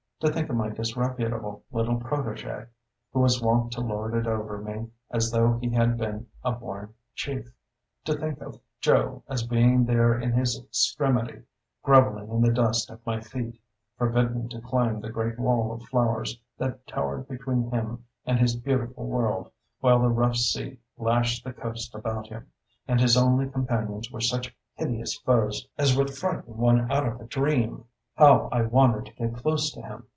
To think of my disreputable little protégé, who was wont to lord it over me as though he had been a born chief, to think of Joe as being there in his extremity, grovelling in the dust at my feet; forbidden to climb the great wall of flowers that towered between him and his beautiful world, while the rough sea lashed the coast about him, and his only companions were such hideous foes as would frighten one out of a dream! How I wanted to get close to him!